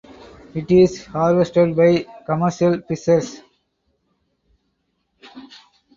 It is harvested by commercial fisheries.